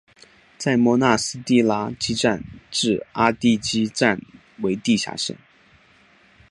在莫纳斯蒂拉基站至阿蒂基站为地下线。